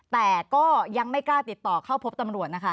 แต่ก็ยังไม่กล้าติดต่อเข้าพบตำรวจนะคะ